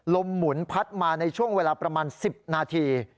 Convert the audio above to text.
หมุนพัดมาในช่วงเวลาประมาณ๑๐นาที